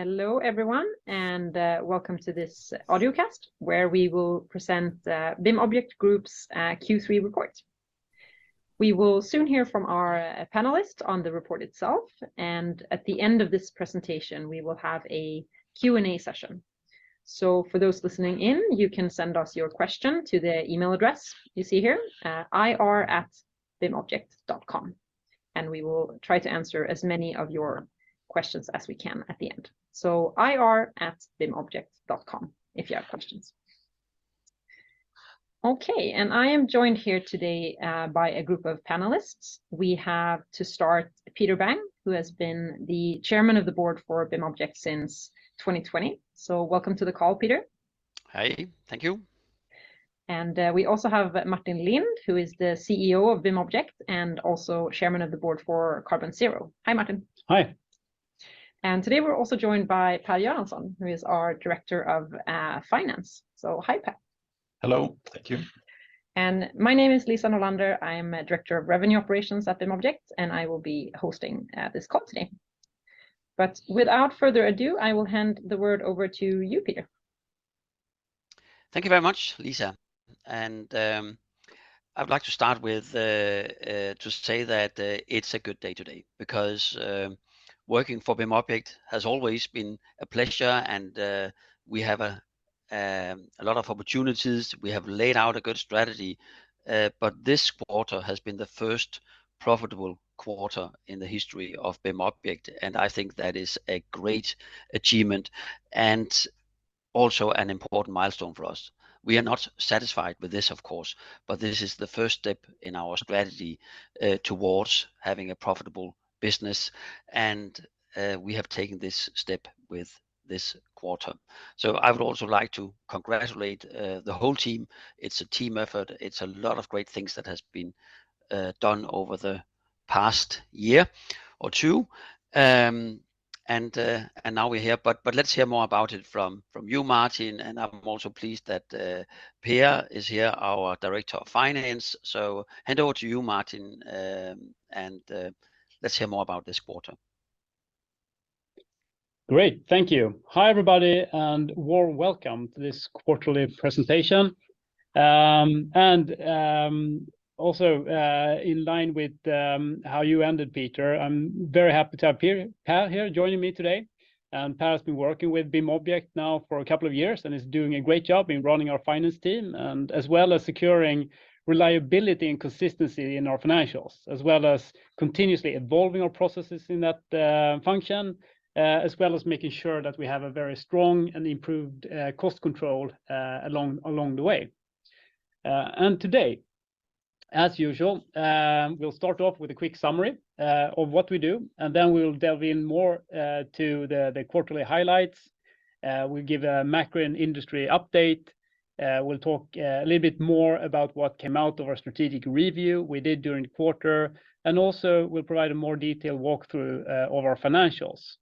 Hello, everyone, and welcome to this audio cast, where we will present BIMobject Group's Q3 Report. We will soon hear from our panelists on the report itself, and at the end of this presentation, we will have a Q&A session. So for those listening in, you can send us your question to the email address you see here, ir@bimobject.com, and we will try to answer as many of your questions as we can at the end. So ir@bimobject.com, if you have questions. Okay, and I am joined here today by a group of panelists. We have to start, Peter Bang, who has been the Chairman of the Board for BIMobject since 2020. So welcome to the call, Peter. Hi. Thank you. We also have Martin Lindh, who is the CEO of BIMobject and also Chairman of the Board for Carbonzero. Hi, Martin. Hi. Today we're also joined by Per Göransson, who is our Director of Finance. Hi, Per. Hello. Thank you. My name is Lisa Norlander. I'm Director of Revenue Operations at BIMobject, and I will be hosting this call today. Without further ado, I will hand the word over to you, Peter. Thank you very much, Lisa. I'd like to start with to say that it's a good day today, because working for BIMobject has always been a pleasure and we have a lot of opportunities. We have laid out a good strategy, but this quarter has been the first profitable quarter in the history of BIMobject, and I think that is a great achievement and also an important milestone for us. We are not satisfied with this, of course, but this is the first step in our strategy towards having a profitable business, and we have taken this step with this quarter. So I would also like to congratulate the whole team. It's a team effort. It's a lot of great things that has been done over the past year or two. And now we're here. Let's hear more about it from you, Martin. I'm also pleased that Per is here, our Director of Finance. Hand over to you, Martin, let's hear more about this quarter. Great. Thank you. Hi, everybody, and warm welcome to this quarterly presentation. Also, in line with how you ended, Peter, I'm very happy to have Per, Per here joining me today. Per has been working with BIMobject now for a couple of years and is doing a great job in running our finance team and as well as securing reliability and consistency in our financials, as well as continuously evolving our processes in that function, as well as making sure that we have a very strong and improved cost control along, along the way. Today, as usual, we'll start off with a quick summary of what we do, and then we'll delve in more to the quarterly highlights. We'll give a macro and industry update. We'll talk a little bit more about what came out of our strategic review we did during the quarter, and also we'll provide a more detailed walkthrough of our financials.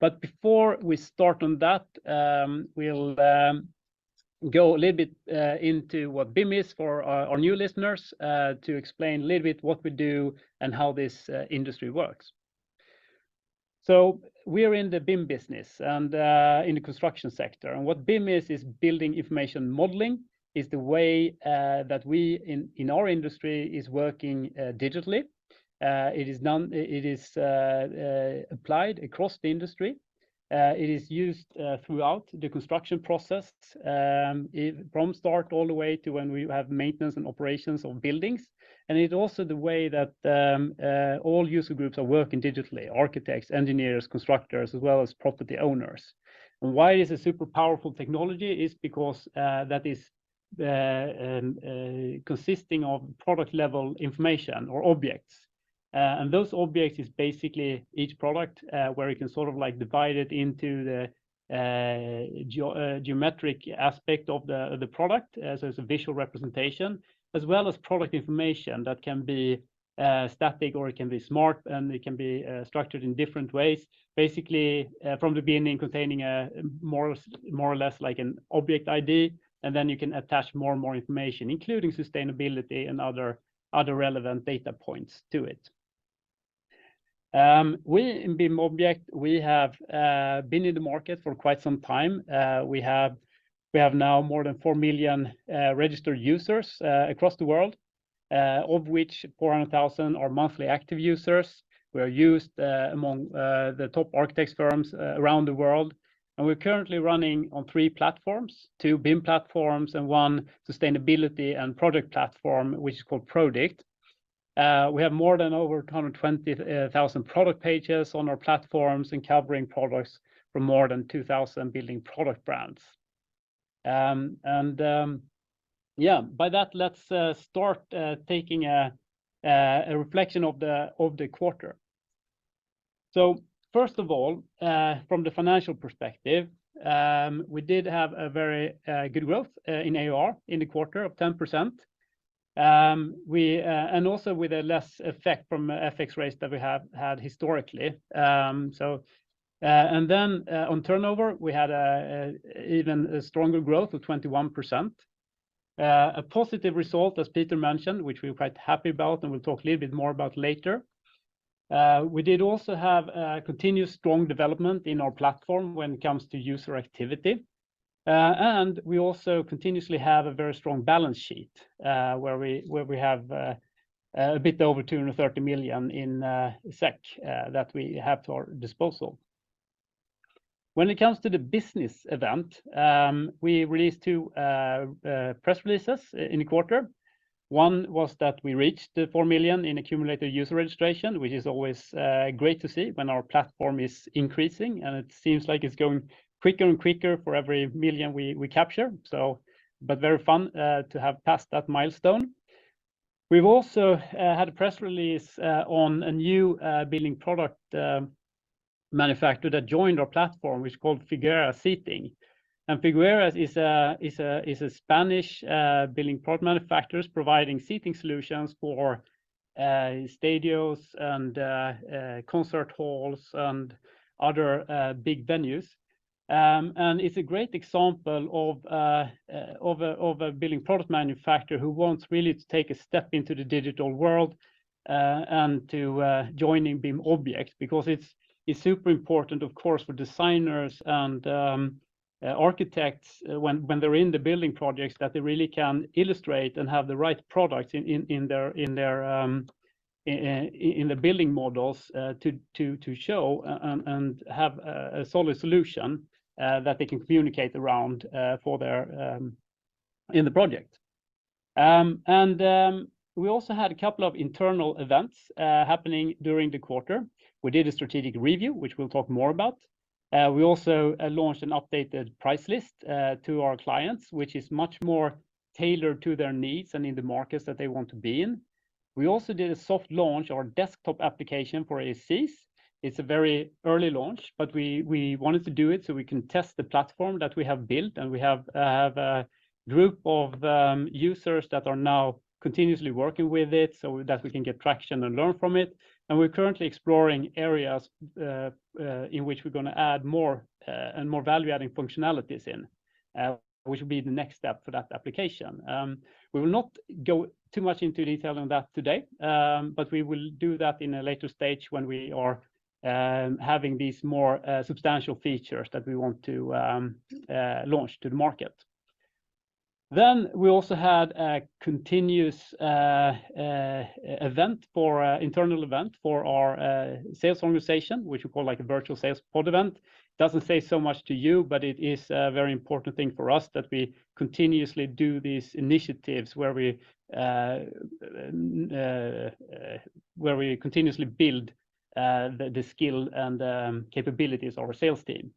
But before we start on that, we'll go a little bit into what BIM is for our new listeners to explain a little bit what we do and how this industry works. So we are in the BIM business and in the construction sector. And what BIM is, is building information modeling, is the way that we in our industry is working digitally. It is applied across the industry. It is used throughout the construction process, it from start all the way to when we have maintenance and operations of buildings. And it's also the way that all user groups are working digitally, architects, engineers, constructors, as well as property owners. Why is a super powerful technology? It is because that is consisting of product-level information or objects. And those objects is basically each product, where you can sort of like divide it into the geometric aspect of the product as a visual representation, as well as product information that can be static, or it can be smart, and it can be structured in different ways, basically, from the beginning, containing a more or less like an object ID, and then you can attach more and more information, including sustainability and other relevant data points to it. We in BIMobject, we have been in the market for quite some time. We have, we have now more than 4 million registered users across the world, of which 400,000 are monthly active users. We are used among the top architects firms around the world, and we're currently running on three platforms, two BIM platforms and one sustainability and product platform, which is called Prodikt. We have more than over 120,000 product pages on our platforms and covering products from more than 2,000 building product brands. And, yeah, by that, let's start taking a reflection of the quarter. So first of all, from the financial perspective, we did have a very good growth in AR in the quarter of 10%. We, and also with a less effect from FX rates than we have had historically. On turnover, we had an even stronger growth of 21%. A positive result, as Peter mentioned, which we're quite happy about, and we'll talk a little bit more about later. We did also have continuous strong development in our platform when it comes to user activity. We also continuously have a very strong balance sheet, where we have a bit over 230 million that we have to our disposal. When it comes to the business event, we released two press releases in the quarter. One was that we reached the 4 million in accumulated user registration, which is always great to see when our platform is increasing, and it seems like it's going quicker and quicker for every million we capture. But very fun to have passed that milestone. We've also had a press release on a new building product manufacturer that joined our platform, which is called Figueras Seating. And Figueras is a Spanish building product manufacturer, providing seating solutions for stadiums and concert halls and other big venues. And it's a great example of a building product manufacturer who wants really to take a step into the digital world, and to join BIMobject, because it's super important, of course, for designers and architects, when they're in the building projects, that they really can illustrate and have the right product in their building models, to show and have a solid solution, that they can communicate around, for their project. And we also had a couple of internal events happening during the quarter. We did a strategic review, which we'll talk more about. We also launched an updated price list to our clients, which is much more tailored to their needs and in the markets that they want to be in. We also did a soft launch of our desktop application for AEC. It's a very early launch, but we wanted to do it so we can test the platform that we have built, and we have a group of users that are now continuously working with it so that we can get traction and learn from it. We're currently exploring areas in which we're gonna add more and more value-adding functionalities in which will be the next step for that application. We will not go too much into detail on that today, but we will do that in a later stage when we are having these more substantial features that we want to launch to the market. Then we also had a continuous internal event for our sales organization, which we call like a virtual sales support event. Doesn't say so much to you, but it is a very important thing for us that we continuously do these initiatives where we continuously build the skill and capabilities of our sales team.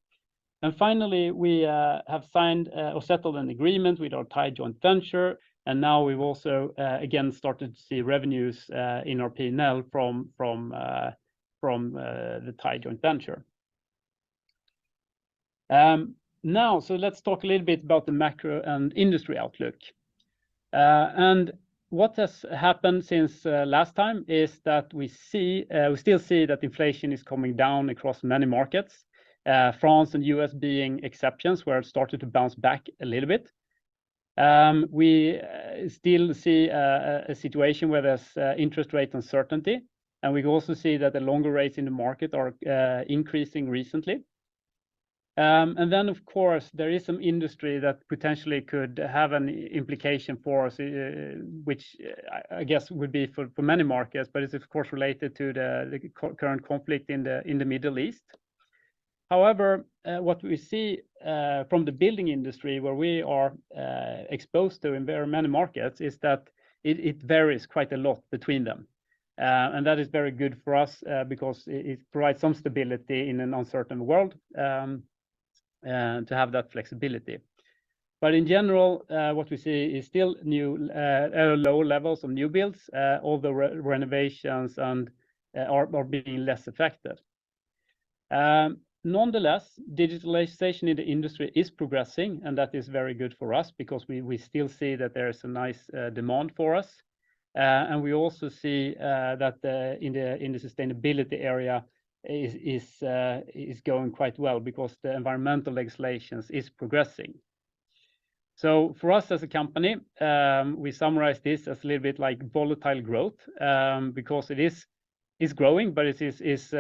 And finally, we have signed or settled an agreement with our Thai joint venture, and now we've also again started to see revenues in our P&L from the Thai joint venture. Now, let's talk a little bit about the macro and industry outlook. What has happened since last time is that we still see that inflation is coming down across many markets, France and the U.S. being exceptions, where it started to bounce back a little bit. We still see a situation where there's interest rate uncertainty, and we also see that the longer rates in the market are increasing recently. Of course, there is some industry that potentially could have an implication for us, which I guess would be for many markets, but it's, of course, related to the current conflict in the Middle East. However, what we see from the building industry, where we are exposed to in very many markets, is that it varies quite a lot between them. That is very good for us because it provides some stability in an uncertain world to have that flexibility. In general, what we see is still new, low levels of new builds, although renovations are being less affected. Nonetheless, digitalization in the industry is progressing, and that is very good for us because we still see that there is a nice demand for us. We also see that in the sustainability area, it is going quite well because the environmental legislations is progressing. So for us as a company, we summarize this as a little bit like volatile growth, because it is growing, but it is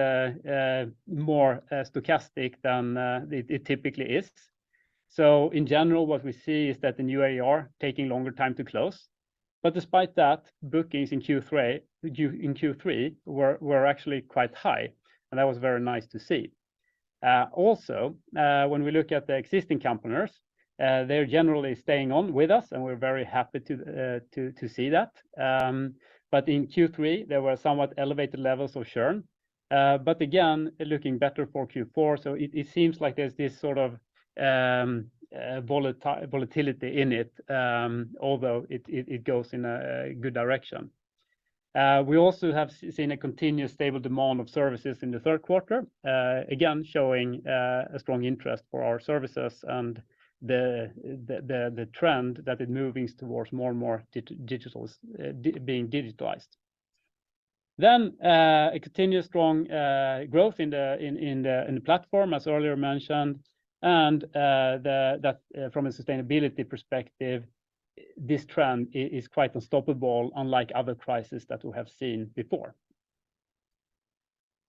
more stochastic than it typically is. So in general, what we see is that the new AR taking longer time to close, but despite that, bookings in Q3 were actually quite high, and that was very nice to see. Also, when we look at the existing companies, they're generally staying on with us, and we're very happy to see that. But in Q3, there were somewhat elevated levels of churn, but again, looking better for Q4. So it seems like there's this sort of volatility in it, although it goes in a good direction. We also have seen a continuous stable demand of services in the third quarter, again, showing a strong interest for our services and the trend that is moving towards more and more digital, being digitalized. A continuous strong growth in the platform as earlier mentioned, and that from a sustainability perspective, this trend is quite unstoppable, unlike other crisis that we have seen before.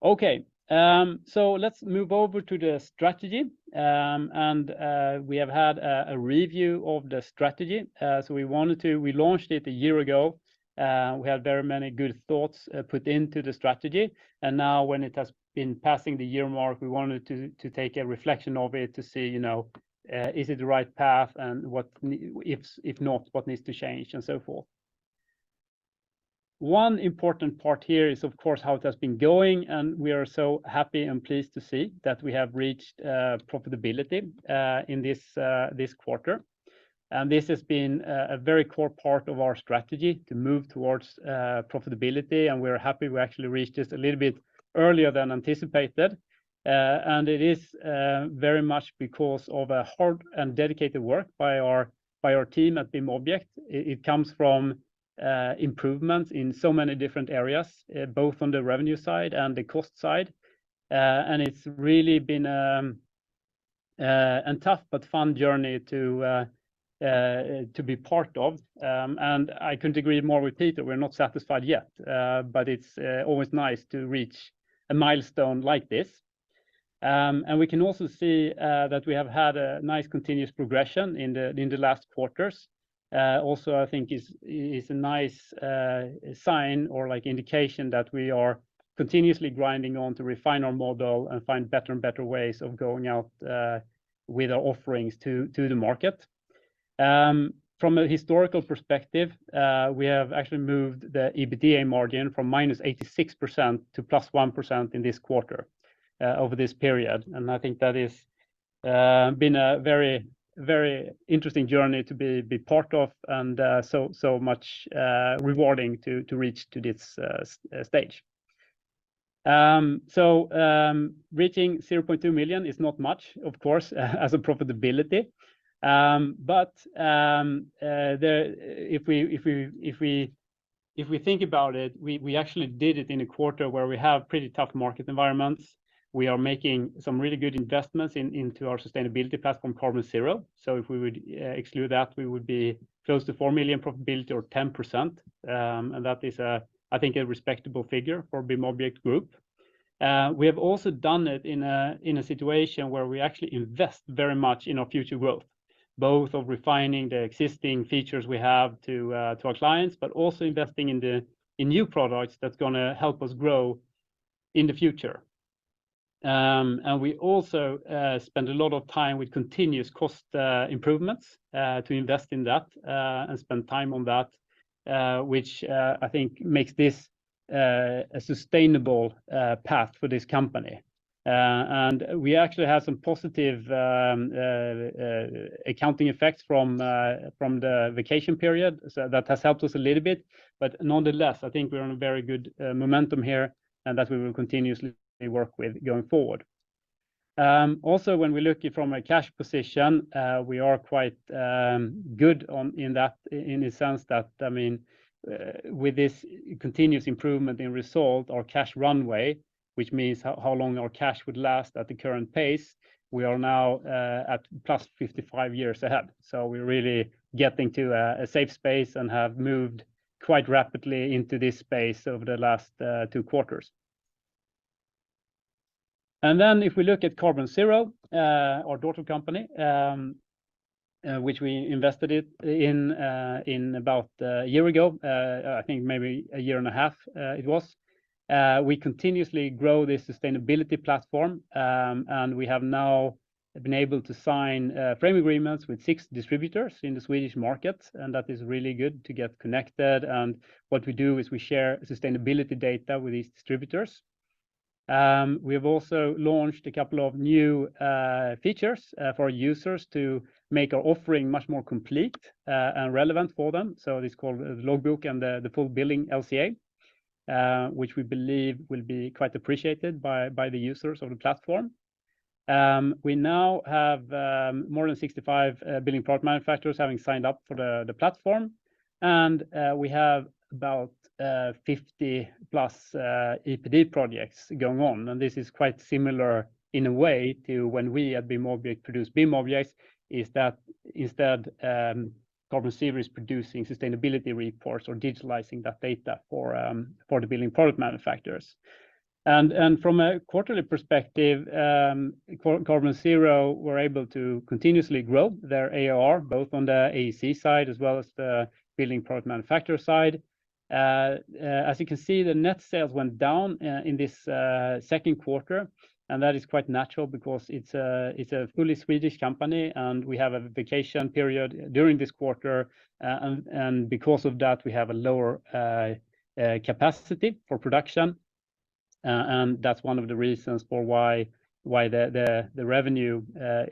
Okay, let's move over to the strategy. We have had a review of the strategy. We launched it a year ago, we had very many good thoughts, put into the strategy, and now when it has been passing the year mark, we wanted to, to take a reflection of it, to see, you know, is it the right path, and what, if, if not, what needs to change, and so forth. One important part here is, of course, how it has been going, and we are so happy and pleased to see that we have reached profitability in this, this quarter. This has been a very core part of our strategy, to move towards profitability, and we're happy we actually reached this a little bit earlier than anticipated. It is very much because of a hard and dedicated work by our team at BIMobject. It comes from improvements in so many different areas, both on the revenue side and the cost side. It's really been a tough but fun journey to be part of. I couldn't agree more with Peter, we're not satisfied yet, but it's always nice to reach a milestone like this. We can also see that we have had a nice continuous progression in the last quarters. I think it's a nice sign or indication that we are continuously grinding on to refine our model and find better and better ways of going out with our offerings to the market. From a historical perspective, we have actually moved the EBITDA margin from -86% to +1% in this quarter over this period. I think that is been a very, very interesting journey to be part of, and so much rewarding to reach to this stage. So, reaching 0.2 million is not much, of course, as a profitability. But if we think about it, we actually did it in a quarter where we have pretty tough market environments. We are making some really good investments into our sustainability platform, Carbonzero. So if we would exclude that, we would be close to 4 million profitability or 10%. And that is, I think, a respectable figure for BIMobject Group. We have also done it in a situation where we actually invest very much in our future growth, both of refining the existing features we have to our clients, but also investing in new products that's gonna help us grow in the future. And we also spend a lot of time with continuous cost improvements to invest in that and spend time on that, which I think makes this a sustainable path for this company. And we actually have some positive accounting effects from the vacation period. So that has helped us a little bit, but nonetheless, I think we're on a very good momentum here, and that we will continuously work with going forward. Also, when we look at it from a cash position, we are quite good in that, in the sense that, I mean, with this continuous improvement in result, our cash runway, which means how long our cash would last at the current pace, we are now at plus 55 years ahead. So we're really getting to a safe space and have moved quite rapidly into this space over the last two quarters. Then, if we look at Carbonzero, our daughter company, which we invested in, in about a year ago, I think maybe a year and a half, it was. We continuously grow this sustainability platform, and we have now been able to sign frame agreements with six distributors in the Swedish market, and that is really good to get connected. And what we do is we share sustainability data with these distributors. We have also launched a couple of new features for our users to make our offering much more complete and relevant for them. So it is called Logbook and the full building LCA, which we believe will be quite appreciated by the users of the platform. We now have more than 65 building product manufacturers having signed up for the platform. And we have about 50+ EPD projects going on. And this is quite similar in a way to when we at BIMobject produce BIMobjects, is that instead, Carbonzero is producing sustainability reports or digitalizing that data for, for the building product manufacturers. And, and from a quarterly perspective, Carbonzero were able to continuously grow their ARR, both on the AEC side as well as the building product manufacturer side. As you can see, the net sales went down, in this, second quarter, and that is quite natural because it's a, it's a fully Swedish company, and we have a vacation period during this quarter, and, and because of that, we have a lower, capacity for production. And that's one of the reasons for why the revenue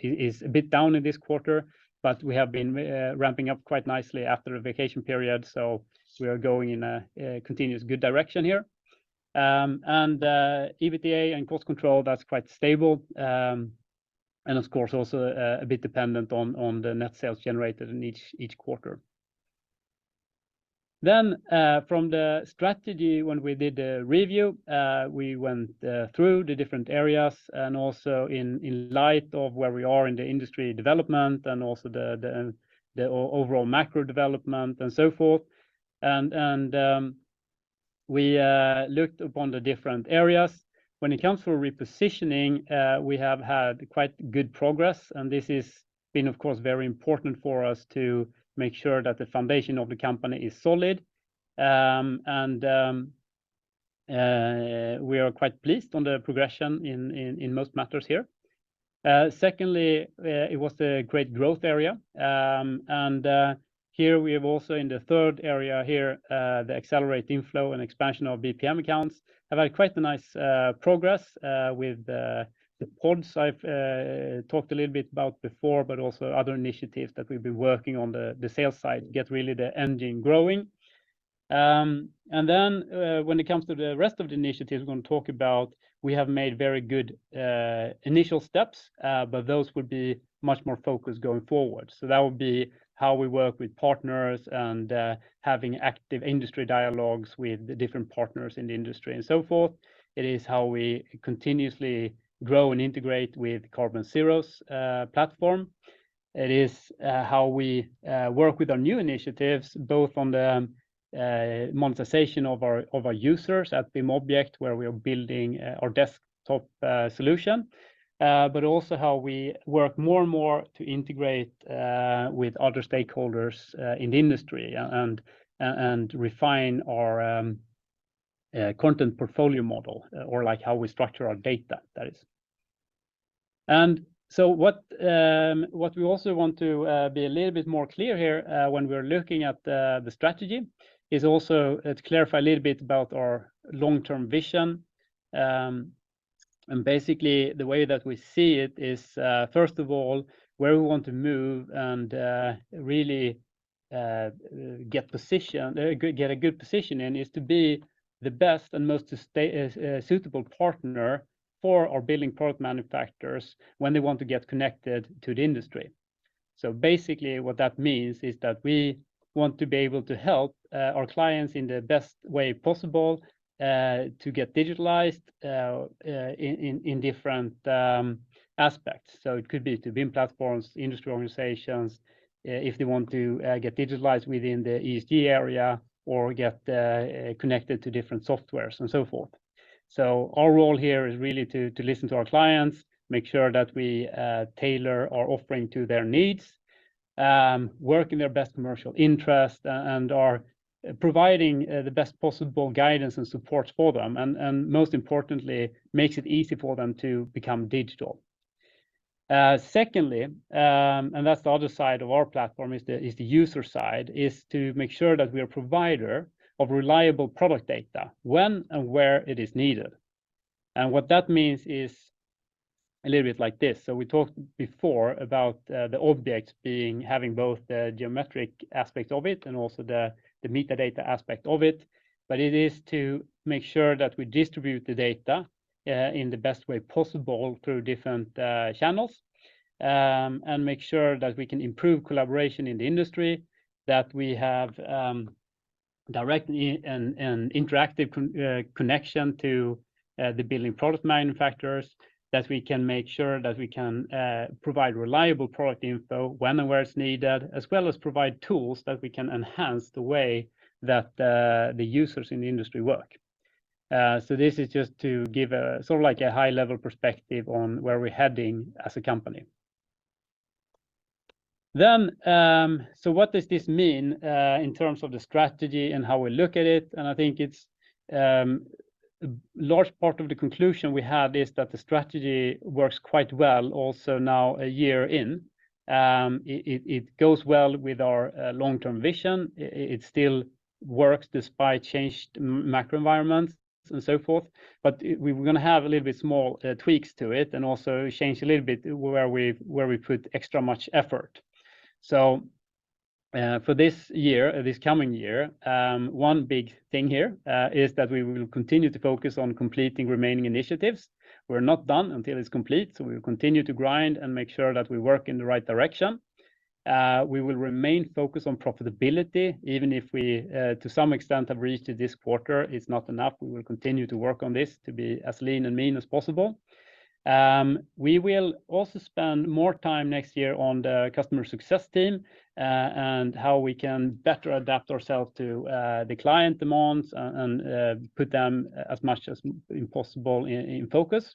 is a bit down in this quarter, but we have been ramping up quite nicely after a vacation period, so we are going in a continuous good direction here. EBITDA and cost control, that's quite stable, and of course, also, a bit dependent on the net sales generated in each quarter. Then, from the strategy, when we did the review, we went through the different areas, and also in light of where we are in the industry development and also the overall macro development, and so forth. We looked upon the different areas. When it comes to repositioning, we have had quite good progress, and this has been, of course, very important for us to make sure that the foundation of the company is solid. We are quite pleased on the progression in most matters here. Secondly, it was a great growth area. Here we have also, in the third area here, the accelerate inflow and expansion of BPM accounts, have had quite a nice progress with the pods I've talked a little bit about before, but also other initiatives that we've been working on the sales side, get really the engine growing. And then, when it comes to the rest of the initiatives we're gonna talk about, we have made very good initial steps, but those would be much more focused going forward. So that would be how we work with partners and having active industry dialogues with the different partners in the industry, and so forth. It is how we continuously grow and integrate with Carbonzero's platform. It is how we work with our new initiatives, both on the monetization of our users at BIMobject, where we are building our desktop solution, but also how we work more and more to integrate with other stakeholders in the industry, and refine our content portfolio model, or, like, how we structure our data, that is. And so what we also want to be a little bit more clear here, when we're looking at the strategy, is also to clarify a little bit about our long-term vision. And basically, the way that we see it is, first of all, where we want to move, and really get a good position, and is to be the best and most suitable partner for our building product manufacturers when they want to get connected to the industry. So basically, what that means is that we want to be able to help our clients in the best way possible to get digitalized in different aspects. So it could be to BIM platforms, industry organizations, if they want to get digitalized within the ESG area, or get connected to different softwares, and so forth. So our role here is really to listen to our clients, make sure that we tailor our offering to their needs, work in their best commercial interest, and are providing the best possible guidance and support for them, and most importantly, makes it easy for them to become digital. Secondly, and that's the other side of our platform, is the user side, to make sure that we are provider of reliable product data, when and where it is needed. What that means is a little bit like this: so we talked before about the objects having both the geometric aspect of it and also the metadata aspect of it, but it is to make sure that we distribute the data in the best way possible through different channels, and make sure that we can improve collaboration in the industry, that we have direct and interactive connection to the building product manufacturers, that we can make sure that we can provide reliable product info when and where it's needed, as well as provide tools that we can enhance the way that the users in the industry work. So this is just to give a sort of, like, a high-level perspective on where we're heading as a company. What does this mean in terms of the strategy and how we look at it? I think it's a large part of the conclusion we have is that the strategy works quite well, also now a year in. It goes well with our long-term vision. It still works despite changed macro environments, and so forth. We were gonna have a little bit small tweaks to it and also change a little bit where we put extra much effort. For this year, this coming year, one big thing here is that we will continue to focus on completing remaining initiatives. We're not done until it's complete, so we'll continue to grind and make sure that we work in the right direction. We will remain focused on profitability, even if we, to some extent, have reached it this quarter; it's not enough. We will continue to work on this to be as lean and mean as possible. We will also spend more time next year on the customer success team, and how we can better adapt ourselves to the client demands and put them as much as possible in focus.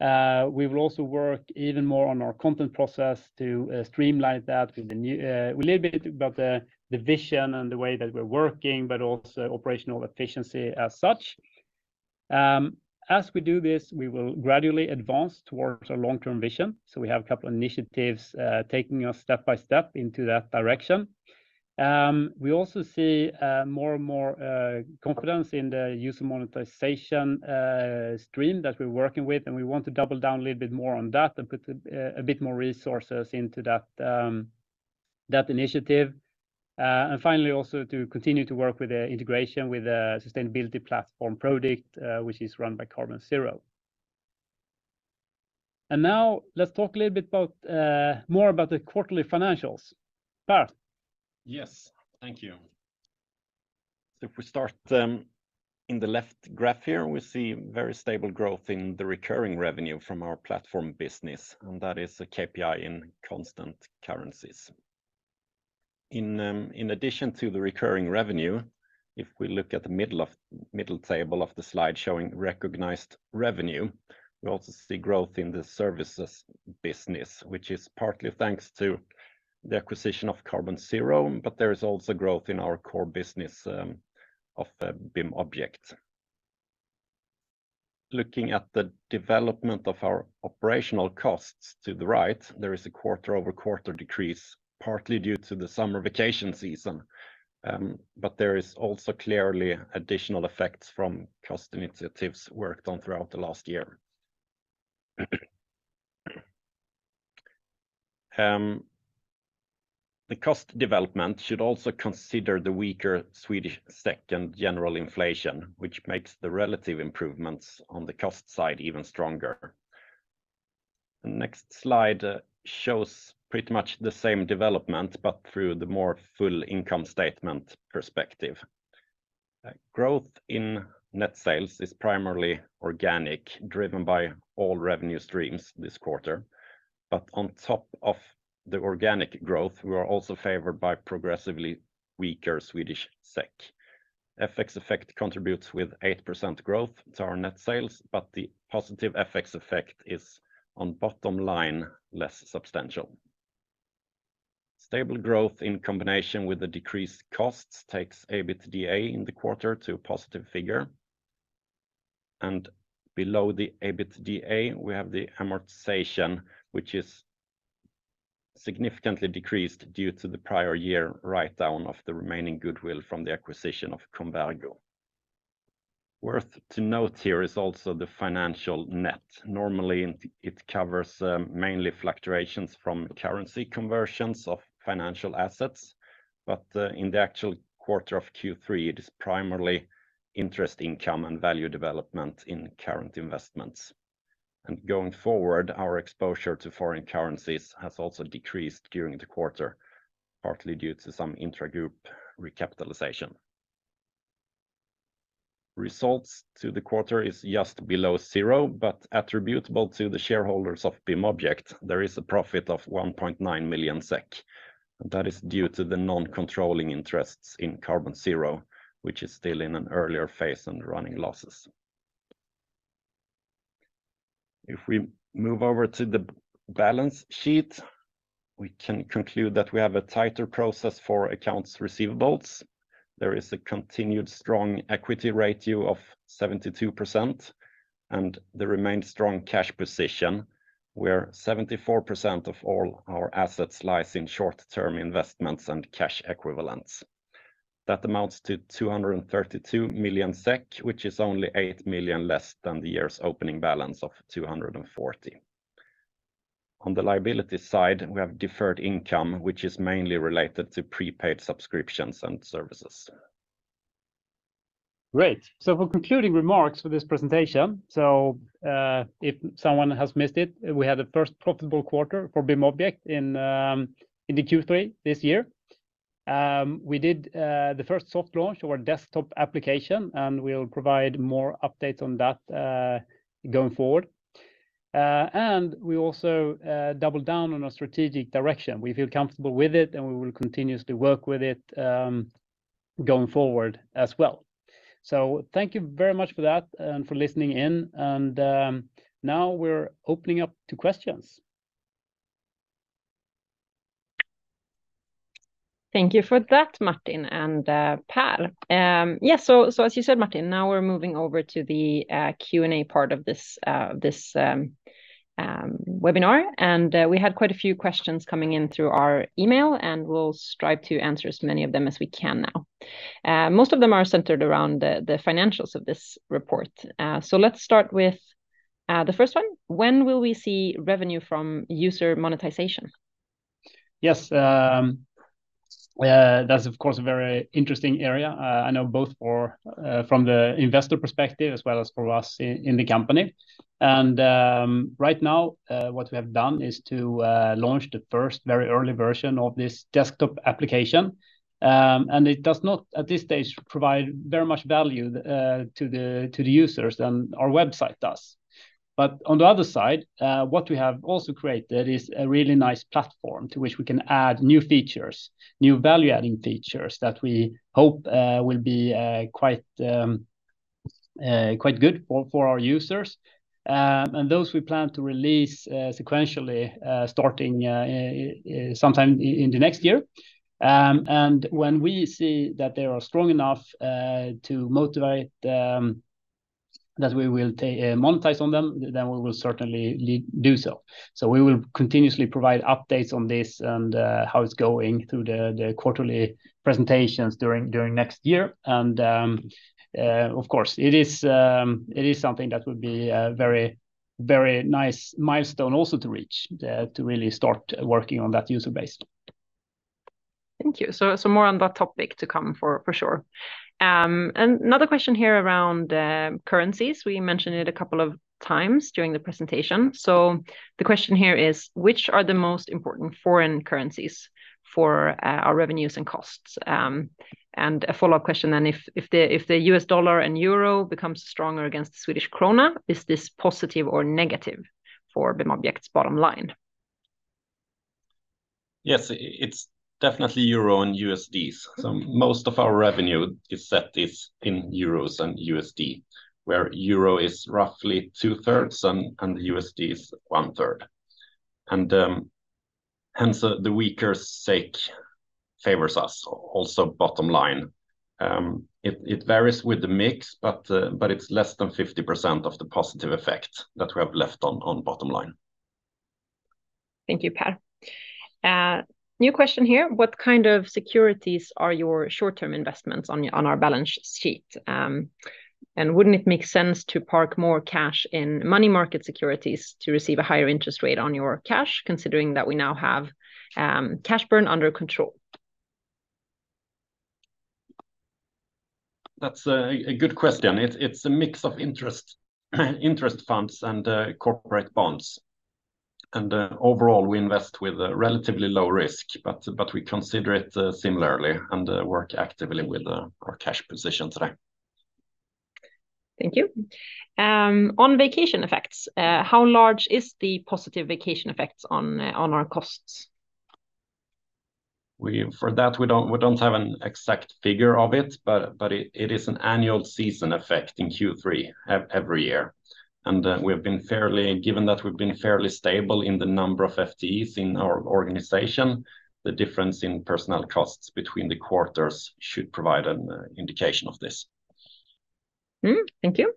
We will also work even more on our content process to streamline that with a little bit about the vision and the way that we're working, but also operational efficiency as such. As we do this, we will gradually advance towards our long-term vision. So we have a couple initiatives taking us step by step into that direction. We also see more and more confidence in the user monetization stream that we're working with, and we want to double down a little bit more on that and put a bit more resources into that that initiative, and finally also to continue to work with the integration with the sustainability platform Prodikt, which is run by Carbonzero. And now let's talk a little bit about more about the quarterly financials. Per? Yes, thank you. So if we start in the left graph here, we see very stable growth in the recurring revenue from our platform business, and that is a KPI in constant currencies. In addition to the recurring revenue, if we look at the middle table of the slide showing recognized revenue, we also see growth in the services business, which is partly thanks to the acquisition of Carbonzero, but there is also growth in our core business of the BIMobject. Looking at the development of our operational costs to the right, there is a quarter-over-quarter decrease, partly due to the summer vacation season, but there is also clearly additional effects from cost initiatives worked on throughout the last year. The cost development should also consider the weaker Swedish SEK general inflation, which makes the relative improvements on the cost side even stronger. The next slide shows pretty much the same development, but through the more full income statement perspective. Growth in net sales is primarily organic, driven by all revenue streams this quarter. But on top of the organic growth, we are also favored by progressively weaker Swedish SEK. FX effect contributes with 8% growth to our net sales, but the positive FX effect is on bottom line, less substantial. Stable growth in combination with the decreased costs takes EBITDA in the quarter to a positive figure. And below the EBITDA, we have the amortization, which is significantly decreased due to the prior year write-down of the remaining goodwill from the acquisition of Convergo. Worth to note here is also the financial net. Normally, it covers mainly fluctuations from currency conversions of financial assets, but in the actual quarter of Q3, it is primarily interest income and value development in current investments. Going forward, our exposure to foreign currencies has also decreased during the quarter, partly due to some intragroup recapitalization. Results to the quarter is just below zero, but attributable to the shareholders of BIMobject, there is a profit of 1.9 million SEK, and that is due to the non-controlling interests in Carbonzero, which is still in an earlier phase and running losses. If we move over to the balance sheet, we can conclude that we have a tighter process for accounts receivables. There is a continued strong equity ratio of 72%, and the remained strong cash position, where 74% of all our assets lies in short-term investments and cash equivalents. That amounts to 232 million SEK, which is only 8 million less than the year's opening balance of 240 million. Great! So for concluding remarks for this presentation, if someone has missed it, we had the first profitable quarter for BIMobject in the Q3 this year. We did the first soft launch of our desktop application, and we'll provide more updates on that going forward. And we also doubled down on our strategic direction. We feel comfortable with it, and we will continuously work with it going forward as well. So thank you very much for that and for listening in, and now we're opening up to questions. Thank you for that, Martin and Per. Yes, as you said, Martin, now we're moving over to the Q&A part of this webinar, and we had quite a few questions coming in through our email, and we'll strive to answer as many of them as we can now. Most of them are centered around the financials of this report. Let's start with the first one. When will we see revenue from user monetization? Yes, that's of course a very interesting area. I know both for from the investor perspective, as well as for us in the company. And right now, what we have done is to launch the first very early version of this desktop application. And it does not, at this stage, provide very much value to the users than our website does. But on the other side, what we have also created is a really nice platform to which we can add new features, new value-adding features that we hope will be quite good for our users. And those we plan to release sequentially, starting sometime in the next year. And when we see that they are strong enough to motivate that we will take monetize on them, then we will certainly do so. So we will continuously provide updates on this and how it's going through the quarterly presentations during next year. And, of course, it is something that would be very nice milestone also to reach to really start working on that user base. Thank you. So, more on that topic to come, for sure. And another question here around currencies. We mentioned it a couple of times during the presentation. So the question here is: Which are the most important foreign currencies for our revenues and costs? And a follow-up question, then, if the US dollar and euro becomes stronger against the Swedish krona, is this positive or negative for BIMobject's bottom line? Yes, it's definitely euro and USD. So most of our revenue is set in euros and USD, where euro is roughly two-thirds, and USD is one-third. And hence, the weaker SEK favors us, also bottom line. It varies with the mix, but it's less than 50% of the positive effect that we have left on bottom line. Thank you, Per. New question here: What kind of securities are your short-term investments on, on our balance sheet? And wouldn't it make sense to park more cash in money market securities to receive a higher interest rate on your cash, considering that we now have cash burn under control? That's a good question. It's a mix of interest funds and corporate bonds. Overall, we invest with a relatively low risk, but we consider it similarly and work actively with our cash position today. Thank you. On vacation effects, how large is the positive vacation effects on our costs? For that, we don't have an exact figure of it, but it is an annual seasonal effect in Q3 every year. And, given that we've been fairly stable in the number of FTEs in our organization, the difference in personnel costs between the quarters should provide an indication of this. Thank you.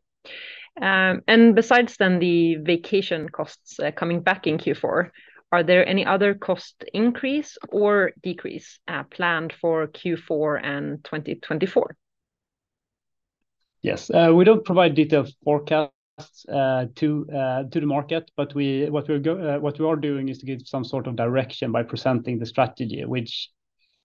Besides, then, the vacation costs coming back in Q4, are there any other cost increase or decrease planned for Q4 and 2024? Yes. We don't provide detailed forecasts to the market, but what we are doing is to give some sort of direction by presenting the strategy, which,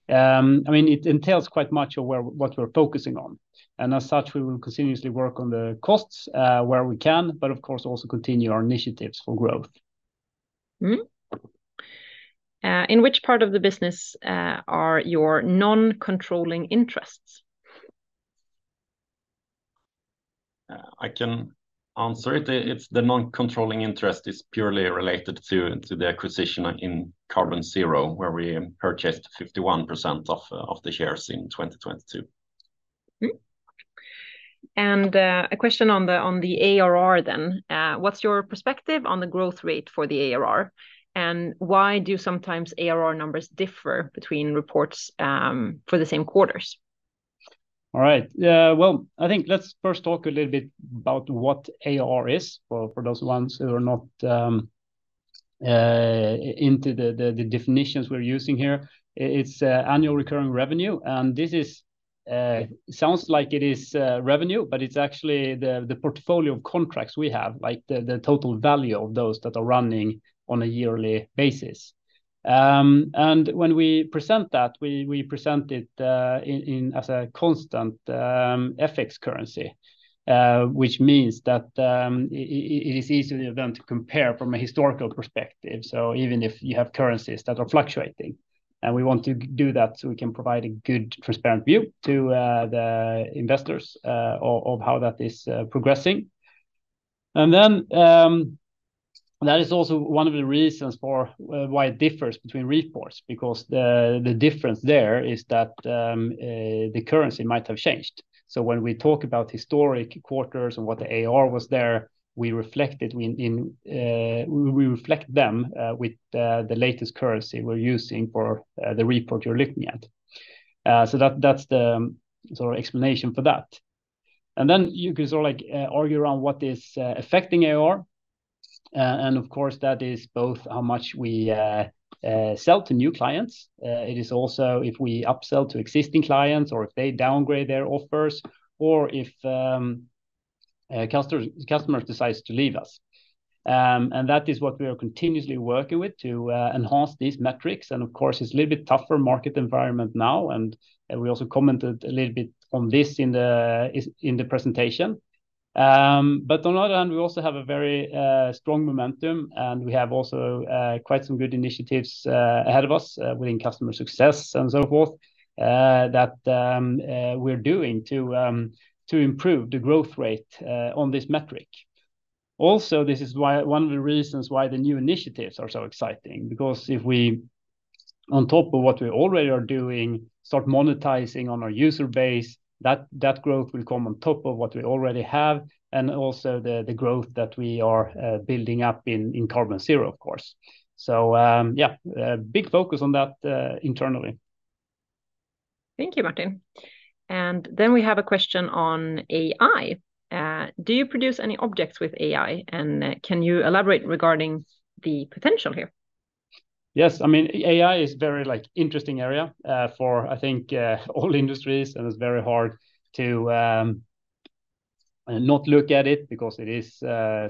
I mean, it entails quite much of where, what we're focusing on. And as such, we will continuously work on the costs where we can, but of course, also continue our initiatives for growth. In which part of the business are your non-controlling interests? I can answer it. It's the non-controlling interest is purely related to the acquisition in Carbonzero, where we purchased 51% of the shares in 2022. And, a question on the ARR, then. What's your perspective on the growth rate for the ARR, and why do sometimes ARR numbers differ between reports, for the same quarters? All right. Well, I think let's first talk a little bit about what ARR is, for those ones who are not into the definitions we're using here. It's annual recurring revenue, and this sounds like it is revenue, but it's actually the portfolio of contracts we have, like the total value of those that are running on a yearly basis. And when we present that, we present it in as a constant FX currency, which means that it is easier then to compare from a historical perspective, so even if you have currencies that are fluctuating. And we want to do that so we can provide a good, transparent view to the investors of how that is progressing. That is also one of the reasons for why it differs between reports, because the difference there is that the currency might have changed. When we talk about historic quarters and what the ARR was there, we reflect it in the latest currency we're using for the report you're looking at. That's the sort of explanation for that. You can sort of argue around what is affecting ARR, and of course, that is both how much we sell to new clients. It is also if we upsell to existing clients or if they downgrade their offers or if a customer decides to leave us. And that is what we are continuously working with to enhance these metrics, and of course, it's a little bit tougher market environment now, and we also commented a little bit on this in the presentation. But on the other hand, we also have a very strong momentum, and we have also quite some good initiatives ahead of us within customer success and so forth that we're doing to improve the growth rate on this metric. Also, this is why one of the reasons why the new initiatives are so exciting, because if we, on top of what we already are doing, start monetizing on our user base, that, that growth will come on top of what we already have, and also the, the growth that we are building up in Carbonzero, of course. So, yeah, a big focus on that, internally. Thank you, Martin. And then we have a question on AI. Do you produce any objects with AI, and can you elaborate regarding the potential here? Yes, I mean, AI is very, like, interesting area, for I think, all industries, and it's very hard to, not look at it because it is,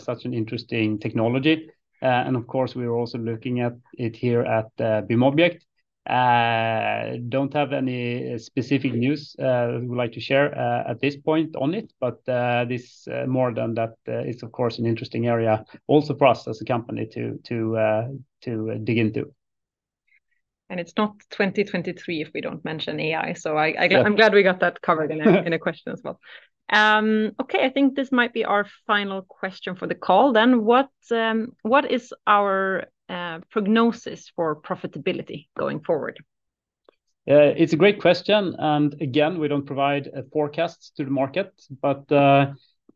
such an interesting technology. And of course, we are also looking at it here at, BIMobject. Don't have any specific news, we would like to share, at this point on it, but, this, more than that, is of course, an interesting area also for us as a company to, to, to dig into. It's not 2023 if we don't mention AI. So I... Yeah. I'm glad we got that covered in a question as well. Okay, I think this might be our final question for the call, then. What, what is our prognosis for profitability going forward? It's a great question, and again, we don't provide forecasts to the market.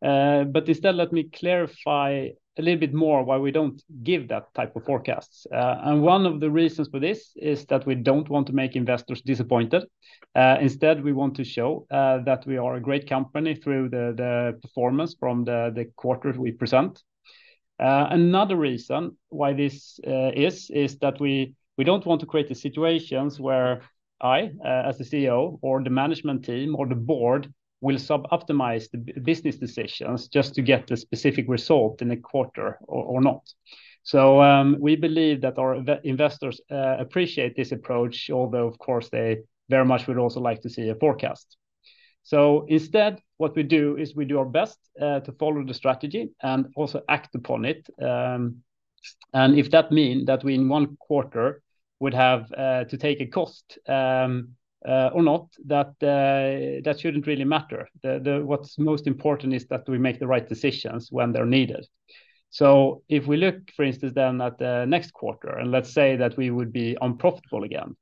Let me clarify a little bit more why we don't give that type of forecasts. One of the reasons for this is that we don't want to make investors disappointed. Instead, we want to show that we are a great company through the performance from the quarter we present. Another reason why this is, is that we don't want to create the situations where I, as the CEO or the management team or the board, will suboptimize the business decisions just to get the specific result in a quarter or not. We believe that our investors appreciate this approach, although of course, they very much would also like to see a forecast. So instead, what we do is we do our best to follow the strategy and also act upon it. And if that mean that we in one quarter would have to take a cost or not, that that shouldn't really matter. What's most important is that we make the right decisions when they're needed. So if we look, for instance, then at the next quarter, and let's say that we would be unprofitable again,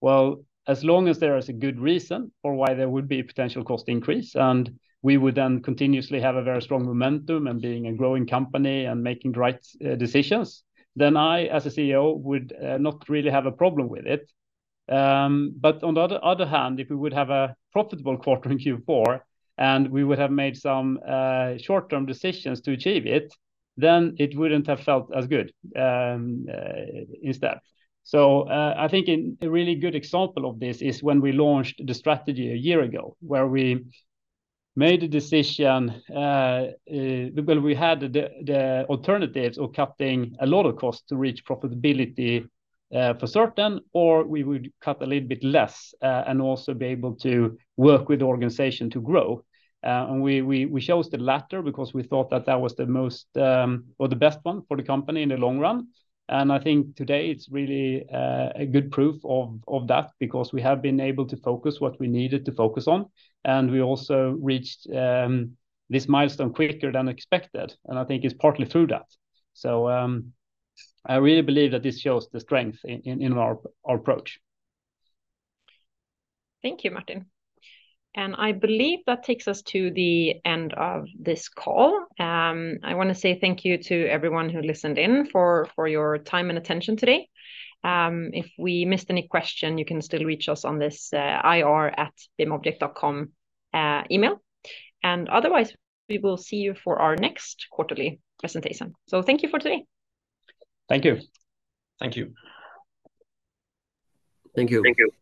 well, as long as there is a good reason for why there would be a potential cost increase, and we would then continuously have a very strong momentum and being a growing company and making the right decisions, then I, as a CEO, would not really have a problem with it. But on the other hand, if we would have a profitable quarter in Q4, and we would have made some short-term decisions to achieve it, then it wouldn't have felt as good instead. So, I think a really good example of this is when we launched the strategy a year ago, where we made a decision, well, we had the alternatives of cutting a lot of costs to reach profitability for certain, or we would cut a little bit less, and also be able to work with the organization to grow. And we chose the latter because we thought that that was the most or the best one for the company in the long run. I think today it's really a good proof of that because we have been able to focus what we needed to focus on, and we also reached this milestone quicker than expected, and I think it's partly through that. So, I really believe that this shows the strength in our approach. Thank you, Martin. I believe that takes us to the end of this call. I wanna say thank you to everyone who listened in for your time and attention today. If we missed any question, you can still reach us on this ir@bimobject.com email, and otherwise, we will see you for our next quarterly presentation. Thank you for today. Thank you. Thank you. Thank you. Thank you.